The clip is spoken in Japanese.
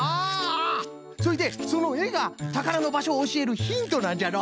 それでそのえがたからのばしょをおしえるヒントなんじゃな。